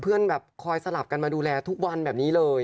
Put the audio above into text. เพื่อนแบบคอยสลับกันมาดูแลทุกวันแบบนี้เลย